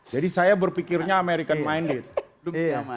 jadi saya berpikirnya american minded